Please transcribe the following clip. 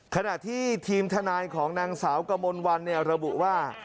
ขณะที่ทีมทนายของนางสาวกมลวันระบุว่า